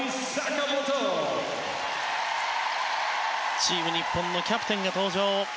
チーム日本のキャプテンが登場。